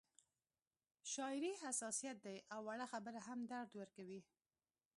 شاعري حساسیت دی او وړه خبره هم درد ورکوي